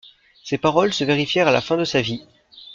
Ces paroles se vérifièrent à la fin de sa vie.